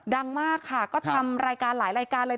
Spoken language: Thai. ดังมากค่ะก็ทำรายการหลายรายการเลย